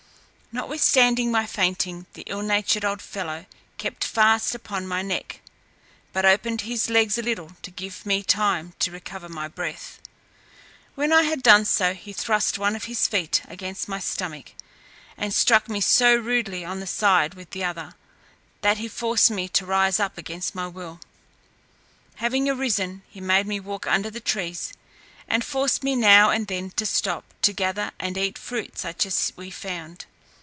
Notwithstanding my fainting, the ill natured old fellow kept fast about my neck, but opened his legs a little to give me time to recover my breath. When I had done so, he thrust one of his feet against my stomach, and struck me so rudely on the side with the other, that he forced me to rise up against my will. Having arisen, he made me walk under the trees, and forced me now and then to stop, to gather and eat fruit such as we found.